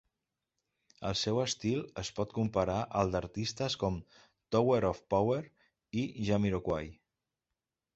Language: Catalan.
El seu estil es pot comparar al d'artistes com Tower of Power i Jamiroquai.